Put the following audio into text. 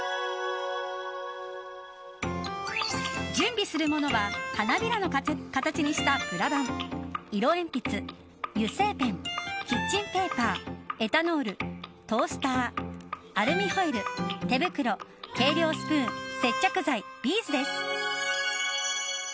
準備するものは花びらの形にしたプラバン色鉛筆、油性ペンキッチンペーパーエタノール、トースターアルミホイル、手袋計量スプーン接着剤、ビーズです。